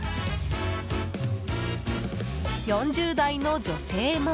４０代の女性も。